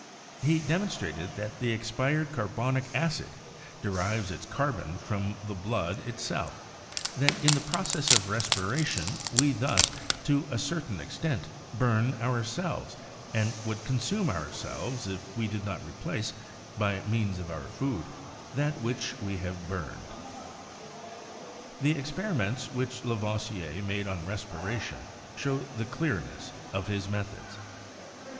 He demonstrated that the ex pired carbonic acid derives its carbon from the blood it self ; that in the process of respiration we thus, to a cer tain extent, burn ourselves, and would consume ourselves if we did not replace, by means of our food, that which we have burned. The experiments which Lavoisier made on respiration show the clearness of his methods.